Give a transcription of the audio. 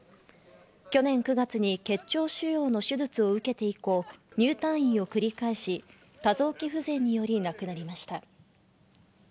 去年９月に結腸腫瘍の手術を受けて以降、入退院を繰り返し、多臓器不全により亡くなりました。